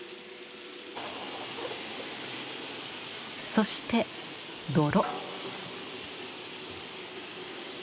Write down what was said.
そして泥。